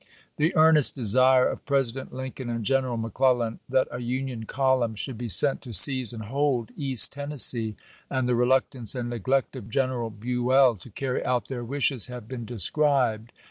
The earnest desire of President Lincoln and Greneral McClellan that a Union column should be sent to seize and hold East Tennessee, and the reluctance and neglect of General Buell to carry out their wishes, have been described.